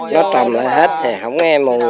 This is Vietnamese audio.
nó trầm lại hết không nghe mùi